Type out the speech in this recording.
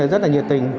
rất là nhiệt tình